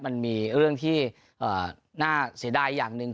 มันมีเรื่องที่น่าเสียดายอย่างหนึ่ง